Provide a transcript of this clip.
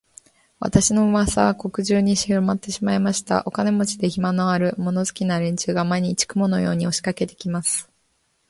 私の噂は国中にひろまってしまいました。お金持で、暇のある、物好きな連中が、毎日、雲のように押しかけて来ます。